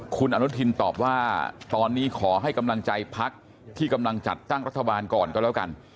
คุณอนุทินตอบว่าตอนนี้ขอให้กำลังใจพักที่กำลังจัดตั้งรัฐบาลก่อนก็แล้วกัน